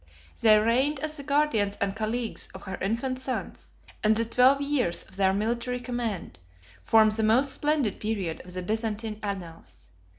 They reigned as the guardians and colleagues of her infant sons; and the twelve years of their military command form the most splendid period of the Byzantine annals.